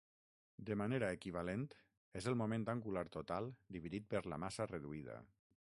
De manera equivalent, és el moment angular total dividit per la massa reduïda.